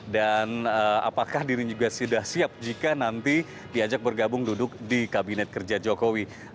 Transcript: dan apakah dirinya juga sudah siap jika nanti diajak bergabung duduk di kabinet kerja jokowi